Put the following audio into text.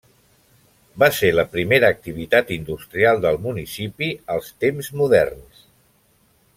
Va ser la primera activitat industrial del municipi als temps moderns.